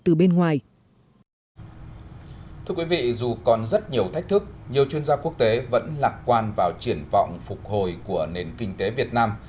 thưa quý vị dù còn rất nhiều thách thức nhiều chuyên gia quốc tế vẫn lạc quan vào triển vọng phục hồi của nền kinh tế việt nam